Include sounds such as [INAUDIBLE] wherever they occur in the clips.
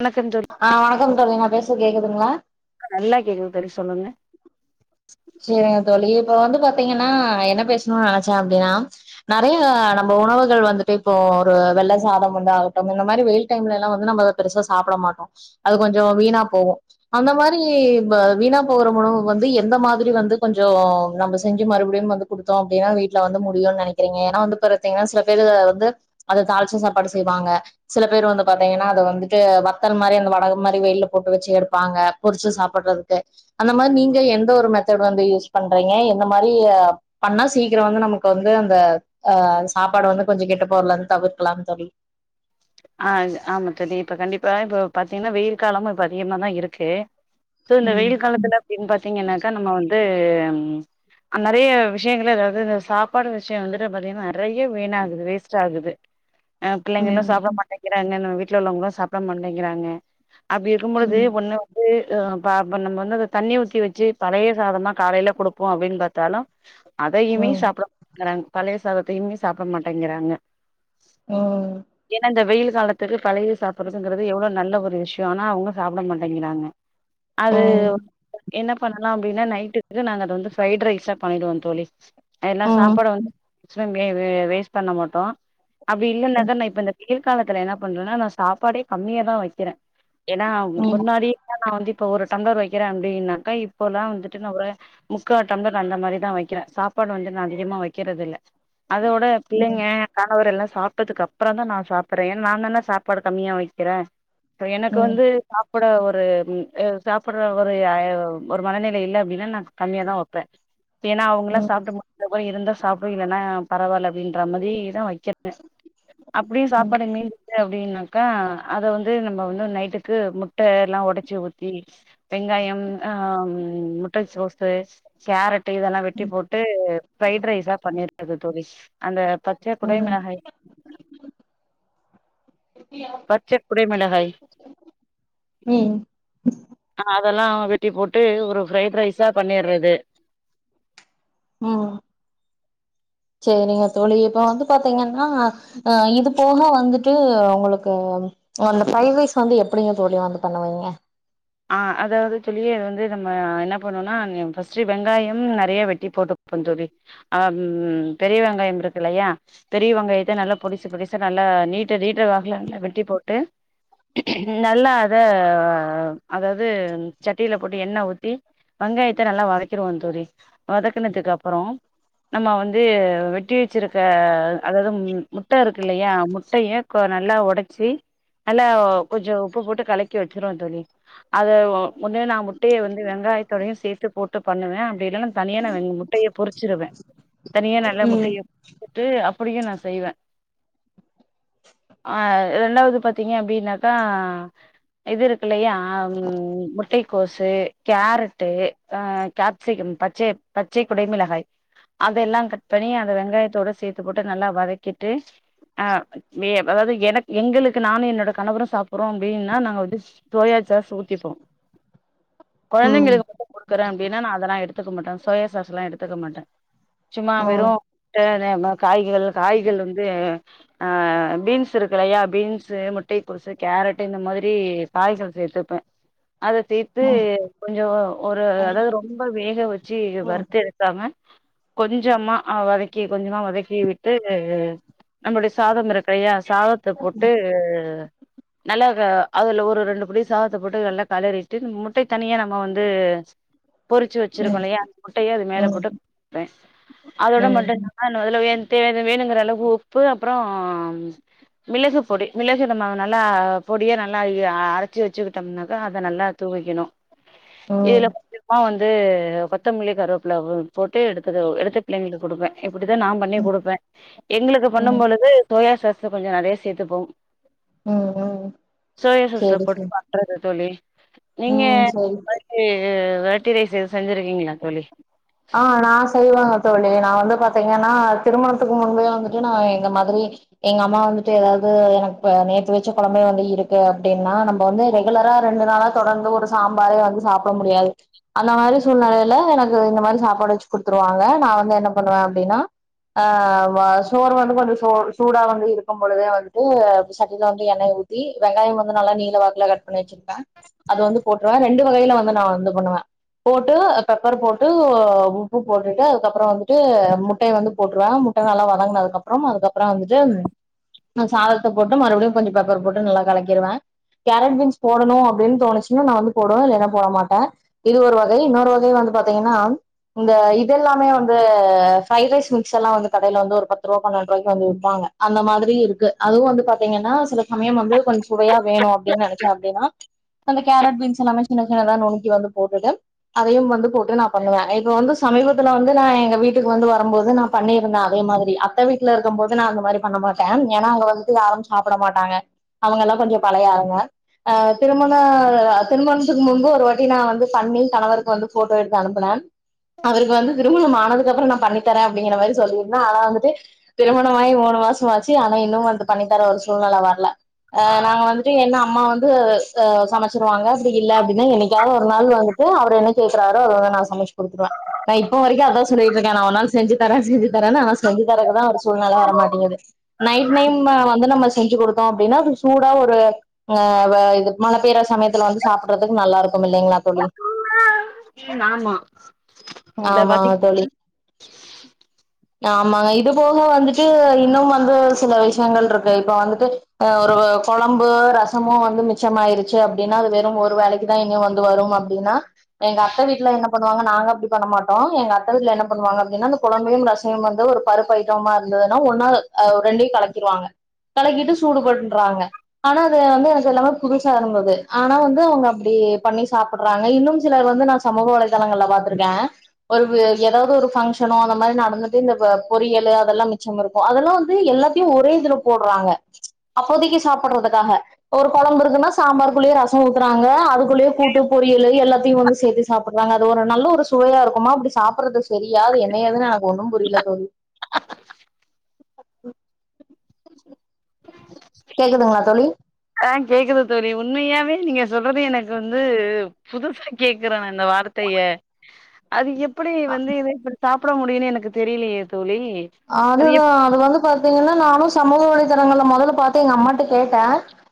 வணக்கம் தோழி ஆ வணக்கம் தோழி நா பேஸ்றது கேக்குதுங்ளா நல்லா கேக்குது தோழி சொல்லுங்க சரிங்க தோழி இப்ப வந்து பாத்தீங்கன்னா என்ன பேசணு நனச்சே அப்டின்னா நெறைய நம்ம உணவுகள் வந்துட்டு இப்போ ஒரு வெள்ள சாதம் வந்து ஆகட்டு இந்த மாதிரி வெயில் டைம்லல்லா வந்து நம்ம பெருசா சாப்ட மாட்டோ அது கொஞ்ச வீணா போகு அந்த மாரி வீணா போகுற உணவுக்கு வந்து எந்த மாதி வந்து கொஞ்ச நம்ம செஞ்ச மறுபடியு வந்து கொடுத்தோ அப்டீன்னா வீட்ல வந்து முடியும்னு நெனக்கிறீங்க ஏன்னா வந்து பாத்தீங்னா சில பேரு வந்து அத தாளிச்ச சாப்பாடு செய்வாங்க சில பேர் வந்து பாத்தீங்கன்னா அத வந்துட்டு வத்தல் மாரி அந்த வடகம் மாரி வெயில்ல போட்டு வச்சு எடுப்பாங்க பொறிச்சு சாப்புட்றக்கு அந்த மாரி நீங்க எந்த ஒரு மெத்தட் இத வந்து யூஸ் பண்றீங்க என்ன மாரி பண்ணா சீக்ரொ வந்து நமக்கு வந்து அந்த ஆ சாப்பாடு வந்து கொஞ்ச கெட்டு போரலந்து தவிர்க்கலா தோழி ஆ ஆமா தோழி இப்போ கண்டிப்பா இப்போ பாத்தீங்கன்னா வெயில் காலமு இப்போ அதிகமாக தா இருக்கு இதுல இந்த ம் வெயில் காலத்துல அப்டின்னு பாத்தீங்கன்னாக்கா நம்ம வந்து நறைய விஷயங்கள் அதாவது இந்த சாப்பாடு விஷயோ வந்துட்டு பாத்தீங்கன்னா நெறைய வீண் ஆகுது வேஸ்ட் ஆகுது [INAUDIBLE] பிள்ளைங்களா ம் சாப்பிட மாட்டேங்கிறாங்க நம்ம வீட்ல உள்ளவங்களா சாப்பிட மாட்டேங்கிறாங்க அப்டியிருக்கு ம் [UNINTELLIGIBLE] நம்ம வந்து அத தண்ணி ஊத்தி வச்சு பழைய சாதமா காலையில கொடுப்போ அப்டின்னு பாத்தாலு [INAUDIBLE] அதையுமே ம் சாப்பிட மாட்டாங்கிறாங்க பழைய சாதத்தயுமே சாப்பிட மாட்டேங்கிறாங்க ம் ஏன்னா அந்த வெயில் காலத்துக்கு பழைய சாப்பிடுறதுங்கிறது எவ்ளோ நல்ல ஒரு விஷ்யோ ஆனா அவங்க சாப்பிட மாட்டேங்கிறாங்க ம் அது ம் என்ன பண்ணலா அப்டின்னா நைட்டுக்கு நாங்க அத வந்து ஃப்ரைட் ரைஸா பண்ணிடுவோ தோழி அது எல்லா ம் சாப்பாடு வந்து வே வே வேஸ்ட் பண்ண மாட்டோ அப்டி இல்லன்னாக்க நா இப்ப இந்த காலத்துல என்ன பண்றேன்னா நா சாப்பாடே கம்மியா தா வைக்கிறே ஏன்னா ம் ம் முன்னாடி நா வந்து இப்ப ஒரு டம்ளர் வைக்கிறே அப்டின்னாக்கா இப்போ எல்லா வந்துட்டு நா ஒரு முக்கா டம்ளர் அந்தமாரி தா வைக்கிற சாப்பாடு வந்து நா அதிகமா வைக்கிறது இல்ல அதோட பிள்ளைங்க கணவர் எல்லா சாப்பிட்டதுக்கு அப்றோ தா நா சாப் றே நா தான சாப்பாடு கம்மியா வைக்கிறே எனக்கு ம் வந்து சாப் நம்மகூட ஒரு சாப்பிடுற ஒரு ஒரு மனநிலை இல்ல அப்டின்னா நா கம்மியா தா வைப்பே ஏன்னா அவங்க எல்லா சாப்பிட்டு முடிச் இருந்தா சாப்பிடு இல்லன்னா பெரவாயில்ல அப்டியின்ற மாதிரிதா வைக்கிறே அப்டியு ம் சாப்பாடு மீந்துச்சுனா அப்டின்னாக்கா அத வந்து நம்ம வந்து நைட்டுக்கு முட்ட எல்லா ஒடச்சு ஊத்தி வெங்காயம் ஆ முட்டைகோஸ் கேரட் இது எல்லா வெட்டி போட்டு பிரரைட் ரைஸா பண்ணிருது தோழி அந்த பத் பச்சை ம் குடைமெளகாய் பச்சை குடைமெளகாய் ம் ஆ அது எல்லா வெட்டி போட்டு ஒரு ஃப்ரைட் ரைஸா பண்ணிறது ம் சேரிங்க தோழி இப்ப வந்து பாத்தீங்கன்னா அ இது போக வந்துட்டு உங்களுக்கு அந்த பைவ் ரைஸ் வந்து எப்படிங்க தோழி வந்து பண்ணுவீங்க ஆ அதாவது தோழி அது வந்து நம்ம என்ன பண்ணோம்னா ஃபர்ஸ்ட்டு வெங்காயம் நெறைய வெட்டி போட்டுப்போ தோழி அது பெரிய வெங்காயம் இருக்கு இல்லையா பெரியவெங்காயத்த நல்லா பொடிசு பொடிசா நல்லா நீட்ட நீட்ட வக்குல நல்லா வெட்டி போட்டு நல்லா அத அதாவது சட்டில போட்டு எண்ணெ ஊத்தி வெங்காயத்த நல்லா வதக்கிருவோ தோழி வதக்குனதுக்கு அப்பறோ நம்ம வந்து வெட்டி வச்சிருக்க அதாவது முட்டை இருக்கு இல்லையா முட்டையா நல்லா ஒடைச்சு நல்லா கொஞ்சோ உப்பு போட்டு கலக்கி வச்சுருவோ தோழி அத ஒன்னு நா முட்டைய வந்து வெங்காயத்தோடயு சேத்து போட்டு பண்ணுவே அப்டி இல்ல நா தனியா நா முட்டைய பொரிச்சிருவே தனியா நல்ல ம் முட்டைய போட்டு அப்டியு நா செய்வே ஆ இண்டாவது பாத்தீங்க அப்படின்னாக்கா இது இருக்கு இல்லையா ஆ முட்டைக்கோசு கேரட்டு அ கேப்சிகம் பச்சை பச்சை குடை மிளகாய் அதெல்லாம் கட் பண்ணி அதை வெங்காயத்தோடு சேர்த்து போட்டு நல்லா வதக்கிட்டு அ வே அதாவது எனக் எங்களுக்கு நானும் என்னோட கணவரும் சாப்டுறோம் அப்டின்னா நாங்க வந்து சோயா சாஸ் ஊதிப்போம் ம் குழந்தைங்களுக்கு மட்டு குடுக்குறேன் அப்டின்னா நான் அதெல்லாம் எடுத்துக்க மாட்டேன் சோயா சாஸ் எல்லாம் எடுத்துக்க மாட்டேன் சும்மா ம் வெறும் ட னனு காய்கள் காய்கள் வந்து ஆ பீன்ஸ் இருக்கு இல்லையா பீன்ஸ் முட்டை கோசு கேரட் இந்த மாரி காய்கள் சேத்துப்ப அதை தேர்த்து ம் கொஞ்சம் ஒரு அதாவது ரொம்ப வேக வச்சு வருத்து எடுக்காம கொஞ்சமா ஆ வதக்கி கொஞ்சமா வதக்கி விட்டு வே நம்முடைய சாதம் இருக்கையா சாதத்தை போட்டு நல்லா ஆ அதுல ஒரு ரெண்டு புடி சாதத்தை போட்டு நல்லா கலறிட்டு இந்த முட்டை தனியா நம்ம வந்து பொறிச்சு வச்சிருக்கோம் ம் இல்லையான் அந்த முட்டையே அது மேல ம் போட்டுப்பேன் அதோட ம் மட்டும் நாணும் அதுல வேனுன்டே வேணுங்கிற அளவுக்கு உப்பு அப்பறோம் மிளகு பொடி மிளகு நம்ம நல்லா பொடியா நல்லா அர ச்சி வச்சக்கிட்டோம்னாக்கா அத நல்லா தூவிக்கணும் ம் கோவம் வந்து கொத்தமல்லி கருவேப்பிள்ள போட்டு எடுத்தது எடுத்த பிள்ளைங்களுக்கு கொடுப்பேன் இப்டித்தான் நான் பண்ணி குடுப்பேன் எங்களுக்கு பண்ணும் ம் பொழுது சோயா சாஸ் கொஞ்சே நறையா சேர்த்துப்போம் ம் ம் சோயா சாஸ்ல சேரி போட்டு சேரி பண்றது தோழி நீங்க ம் சேரி ஏ வெரைட்டி ரைஸ் எது செஞ்சிருக்கீங்களா தோழி ஆ‌ நான் செய்வங்க தோழி நான் வந்து பாத்தீங்கன்னா திருமணத்துக்கு முன்பே வந்துட்டு நான் எங்க மதர் இன் எங்க அம்மா வந்துட்டு ஏதாவது எனக்கு நேத்து வச்சு குழம்பை வந்து இருக்கு அப்டின்னா நம்ம வந்து ரெகுலரா ரெண்டு நாளா தொடர்ந்து ஒரு சாம்பாரே வந்து சாப்பிட முடியாது அந்த மாரி சூழ்நிலையில எனக்கு இந்த மாரி சாப்பாடு வச்சு குடுத்துருவாங்க நான் வந்து என்ன பண்ணுவேன் அப்டின்னா ஆ வா சோறு வந்து கொஞ்சம் சோ சூடா வந்து இருக்கும் பொழுதே வந்துட்டு சட்டில வந்து எண்ணய் ஊத் த்தி வெங்காயம் வந்து நல்லா நீல வாக்குவ கட் பண்ணி வச்சிருக்கேன் அது வந்து போட்டுவேன் ரெண்டு கைல வந்து நான் வந்து பண்ணுவேன் போட்டு பெப்பர் போட்டு உப்பு போட்டுட்டு அதுக்கப்பறம் வந்துட்டு முட்டை வந்து போட்டுருவேன் முட்டை நல்லா வதங்கன அதுக்கப் ஆமா அதுகப்பறம் வந்துட்டு சாதத்தை போட்டு மறுபடியும் கொஞ்சம் பேப்பர் போட்டு நல்லா கலக்கிருவேன் கேரட் பீன்ஸ் போடணும் அப்டின்னு தோனுச்சினா நான் வந்து போடுவேன் இல்லைன்னா போட மாட்டேன் இது ஒரு வகை இன்னொரு வகை வந்து பாத்தீங்கன்னா இந்த இதெல்லாமே வந்து ஃப்ரைட் ரைஸ் மிக்ஸ் எல்லாம் வந்து கடையில வந்து ஒரு பத்து ரூபா பன்னெண்டு ரூபாய்க்கு வந்து விப்பாங்க அந்த மாதிரி இருக்கு அதுவும் வந்து பாத்தீங்கன்னா சில சமயம் வந்து கொஞ்சம் சுவையா வேணும் அப்டின்னு நினச்சா அப்டின்னா அந்த கேரட் பீன்ஸ் எல்லாமே சின்ன சின்னதா நுணுக்கி வந்து போட்டுட்டு அதையும் வந்து போட்டு நா பண்ணுவேன் இப்ப வந்து சமீபத்துல வந்து நான் எங்க வீட்டுக்கு வந்து வரும்போது நான் பண்ணியிருந்தேன் அதே மாதிரி அப்பா வீட்ல இருக்கும் போது நான் அந்த மாரி பண்ண மாட்டேன் ஏன்னா அங்க வந்துட்டு யாரும் சாப்பிட மாட்டாங்க அவங்க எல்லாம் கொஞ்சம் பழையாழுங்க ஆ திருமண திருமணத்துக்கு முன்பு ஒரு வாட்டி நான் வந்து பண்ணி கணவருக்கு வந்து போட்டோ எடுத் அனுப்பனான் அவருக்கு வந்து திருமணம் ஆனதுக் அப்பறம் நான் பண்ணித்தரேன் அப்டிங்கிற மாரி சொல்லிருந்த ஆனா வந்துட்டு திருமணமாயி மூணு மாசம் ஆச்சு ஆனா இன்னும் வந்து பண்ணி தர ஒரு சூழ்நிலை வரல ஆ நாங்க வந்து கீழ என்ன அம்மா வந்து ஆ சமைச்சிருவாங்க அப்டி இல்லை அப்டின்னா என்னைக்காவது ஒரு நாள் வந்துட்டு அவர் என்ன கேக்குறாரு அதான் நான் சமைச்சு குடுத்துருவேன் நான் இப்போ வரைக்கும் அதான் சொல்லிட்டு இருக்கேன் நா ஒரு நாள் செஞ்சி தர செஞ்சி தர ஆ செஞ்சி தரக்குதா ஒரு சூழ்நில வர மாட்டேங்கிது நைட் நைம் வந்து நம்ப செஞ்சி குடுத்தோ அப்டின்னா அது சூடா ஒரு அ வ இது மழ பெய்யிற சமயத்துல வந்து சாப்புறதுக்கு நல்லா இருக்கு மில்வைங்ளா தோழி ஆமா இந்த ஆமாங்க பாத்தீங் தோழி ஆமாங்க இது போக வந்துட்டு இன்னும் வந்து சில விஷயங்கள் இருக்கு இப்ப வந்துட்டு ஒரு குழம்பு ரசமு வந்து மிச்சமாயிருச்சி அப்டின்னா அது வெறும் ஒரு வேலைக் நாஇனியு வந்து வரும் அப்டின்னா எங்க அக் அத்த வீட்டுல என்ன பண்ணுவாங்க நாங்க அப்டி பண்ணமாட்டோ எங்க அத்த வீட்ல என்ன பண்ணுவாங்க அப்டின்னா அந்த கொழம்பையு ரசயும் வந்து ஒரு பருப்பு ஐட்டமுமா இருந்ததுன்னா ஒன்னா ரெண்டையும் கலக்கிடுவாங்க கலக்கிட்டு சூடு பன்றாங்க ஆனா அது வந்து எனக் எல்லாமே புதுசா இருந்தது ஆனா வந்து அவங்க அப்டி பண்ணி சாப்பட்றாங்க இன்னும் சிலர் வந்து நா சமூக வலைதளங்கள்ல பாத்திருக்க ஒரு ஏதாது ஒரு ஃபங்க்ஷனோ அந்த மாரி நடந்துட்டு இந்த பொறியல் அதெல்லா மிச்சம் இருக்கு அதெல்லா வந்து எல்லாத்தையு ஒரே இதுல போட்றாங்க அப்போதைக்கு சாப்பட்றதுக்காக ஒரு கொழம்பு இருக்குன்னா சாம்பாருக்குள்ளேயே ரசம் ஊக்குறாங்க அதுக்குள்ளயே கூட்டு பொரியல் எல்லாத்தையு வந்து சேத்துஸ் சாப்பட்றாங்க அது ஒரு நல்ல ஒரு சுவையா இருக்குமா அப்டி சாப்பட்றது சரியா என்ன ஏதுன் எனக் ஒண்ணு புரியல தோழி கேக்குதுங்ளா தோழி ஆ கேக்குது தோழி உண்மையாவே நீங்க சொல்றது எனக்கு வந்து புதுசா கேக்குற இந்த வார்த்தைய அது எப் எப்டி வந்து இத இப்டி சாப்பட முடியுன் எனக்கு தெரியலயே தோழி அதுதா அது வந்து பாத்தீங்கனா நானு சமூக வலைதளங்கள்ல மொதல்ல பாத்து எங்க அம்மாட்ட கேட்ட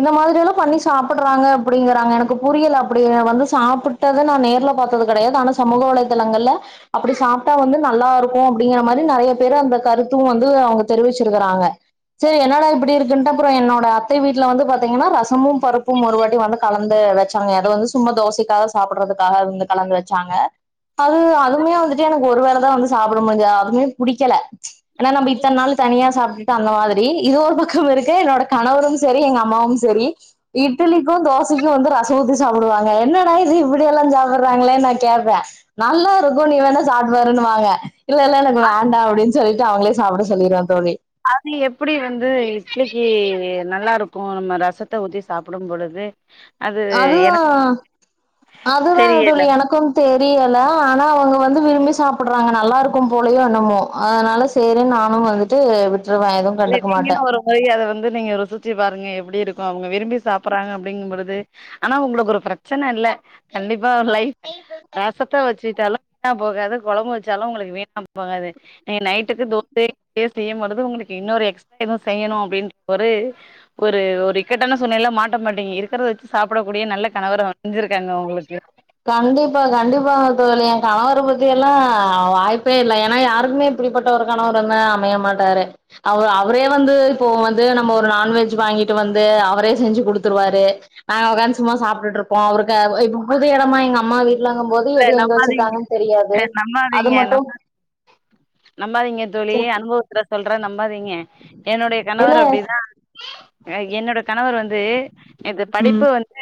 இந்த மாரி எல்லா பண்ணி சாப்பட்றாங்க அப்டிங்கறாங்க எனக்கு புரியல அப்டின வந்து சாப்புட் ட்டது நா நேர்ல பாத்தது கடையாது ஆனா சமூக வலைதளங்கள்ல அப்டி சாப்டா வந்து நல்லா இருக்கு அப்டிங்கிற மாரி நறைய பேர் அந்த கருத்து வந்து அவங்க தெரிவிச்சிருக்கறாங்க சே என்னடா இப்டி இருக்குன்டு அப்பற என்னோட அத்தை வீட்ல வந்து பாத்தீங்கனா ரசமும் பருப்பு ஒருவாட்டி வந்து கலந்து வச்சாங்க எத வந்து சும்மா தோசைக்காக சாப்படறதுக்காக வந்து கலந்து வச்சாங்க அது அதுவுமே வந்துட்டு எனக் ஒரு வேளதா வந்து சாப்பட முடிஞ்சது அதுவுமே ப புடிக்கல ஏனா நம்ப இத்தன் நாள் தனியா சாப்ட்டுட்டு அந்த மாரி இது ஒரு பக்கம் இருக்க என்னோட கணவரும் செரி எங்க அம்மாவும் செரி இட்டலிக்கு தோசைக்கு வந்து ரச ஊத்தி சாப்புடுவாங்க என்னடா இது இப்டியெல்லா சாப்பட்டுறாங்ளே நா கேப்ப நல்லா இருக்கு நீ வேணா சாப்ட்டுபாருன்வாங்க இல்லல்ல எனக் வேண்டா அப்டின் சொல்லிட்டு அவங்ளே சாப்பட சொல்லிருவ தோழி அது எப்டி வந்து இட்லிக்கு நல்லா இருக்கு நம்ம ரசத்த ஊத்தி சாப்படும் பொழுது அது அதுதா எனக்கு அதுதா தெரியல தோழி எனக்கும் தெரியல ஆனா அவங்க வந்து விரும்பி சாப்பட்றாங்க நல்லா இருக்கு போலயோ என்னமோ அதனால சேரி நானு வந்துட்டு விட்ருவ இல்ல நீங்கன்ன வரும் பொதய அத வந்து நீங்க ருசிச்சு பாருங்க எப்டி இருக்கு அவங்க விரும்பி சாப்பட்றாங்க அப்டிங்பொழுது ஆனா உங்களுக் ஒரு பிரச்சன இல்ல கண்டிப்பா லைப் ரசத்த வச்சிட்டாலு வீணா போகாது கொழம்பு வச்சாலு உங்களுக் வீணா போகாது நைட்டுக்கு தோசயோ இட்லியோ செய்யுபொழுது உங்களுக்கு இன்னொரு எக்டா எதுவு செய்யணுட் ஒரு ஒரு ஒரு இக்கட்டான சூழ்நில மாட்ட மாட்டீங்க இருக்கிறத வச்சி சாப்படக் கூடிய நல்ல கணவர அமஞ்சிருக்காங்க உங்ளுக்கு கண்டிப்பா கண்டிப்பாங்க தோழி என் கணவர பத்தி எல்லா வாய்ப்பே இல்ல ஏனா யாருக்குமே இப்டி பட்ட ஒரு கணவர் வந்து அமைய மாட்டாரு அவ அவரே வந்து இப்போ வந்து நம்ப ஒரு நான்வெஜ் வாங்கிட்டு வந்து அவரே செஞ்சு கொடுத்துருவாரு அ காந்த் சும்மா சாப்ட்டுட்டு இருப்போம் அவருக் அ இப்ப புது எடமா எங்க அம்மா வீட் ங்கும் போது இல்ல எது எங்க நம்பாதீங்க வச்சிருக்காங்கன் தெரியாது அது நம்பாதீங்க மட்டும் நம் நம்பாதீங்க தோழி அனுபவ பட் சொல்ற நம்பாதீங்க என்னோடைய இல்ல கணவர் அப்டிதா என்னோட கணவர் வந்து இது ம் படிப்பு வந்து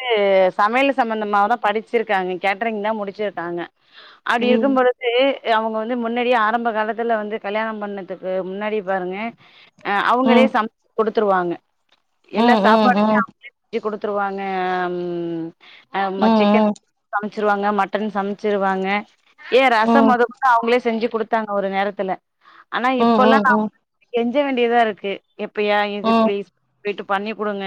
சமையல் சம்மந்தமா தா படிச்சிருக்காங்க கேட்டரிங் தா முடிச் சிருக்காங்க அப்டி இருக்கு ம் போது தே அவ்ங்க வந்து முன்னாடியே ஆரம்ப காலத்துல வந்து கல்யாணம் பண்ணதுக்கு முன்னாடியே பாருங்க ஆ அவுங்களே ம் சம் குடுத்துருவாங்க எல்லா ம் ம் சாப்பாடுமே ம் அவ்ங்களே ஞ்சி குடுத்ருவாங்க ஆ ம் ஆ ம சிக்கன் ம் சமைச்ருவாங்க மட் டன் சம்ச்ருவாங்க ஏ ம் ரசம் ம் மொதகொண்டு அவ்ங்ளே செஞ்சு குடுத்தாங்க ஒரு நேரத்துல ஆனா ம் இப்பொலா நா ம் வந்து கெஞ்ச வேண்டியதாருக்கு எப்பியா இது ம் ப்ளீஸ் பேய்ட்டு பண்ணி குடுங்க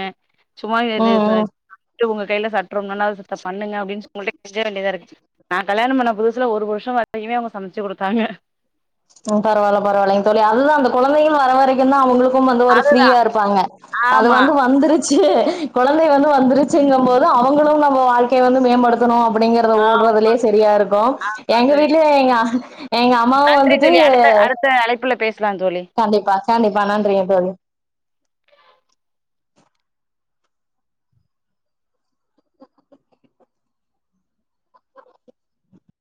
சும்மா [UNINTELLIGIBLE] ரி ம் ச ம் ட்டு உங்க கைல சட்றும்மன்னா அத செத்த பண்ணுங்க அப்டின் உங்குள்ட கெஞ்ச வேண்டியதாருக் நா கல்யாண பண்ண புதுசுல ஒரு வர்ஷ்ம் வரகிமே அவ்ங்க சமச்சி குடுத்தாங்க பரவால பரவாலயங் தோழி அதுதா அந்த கொழந்தைகள் வர வரக்கிதா அவ்ங்ளுக் கும் வந்து ஒரு அது ஃப்ரீயாருப்பாங்க அது ஆமா வந்து வந்ரு ச்சு கொழந்தை வந்து வந்துருச்சுங்கம் போது அவங்களு அவ்ங்ளா அவ்ங்க வாழ்க்கைய வந்து மேம்படுத் துணு அப்டிங்றத ஆமா ஓட்றதுலே செரியாருக்கு ஆமா எங்க தோழி வீட்லே எங்க அ எங்க அம்மாவு நன்றி வந்துட் தோழி அடுத்த அடுத்த அழைப்புல பேஸ்லா தோழி கண்டிப்பா கண்டிப்பா நன்றியங் தோழி